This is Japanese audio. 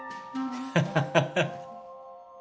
ハッハハハ。